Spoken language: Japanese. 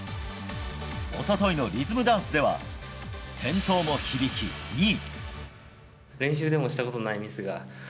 一昨日のリズムダンスでは転倒も響き２位。